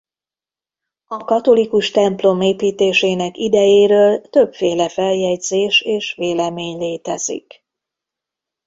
A katolikus templom építésének idejéről többféle feljegyzés és vélemény létezik.